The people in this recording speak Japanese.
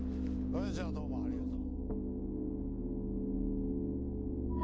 じゃあどうもありがとう。